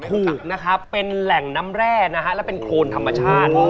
ถูกนะครับเป็นแหล่งน้ำแร่นะฮะและเป็นโครนธรรมชาติ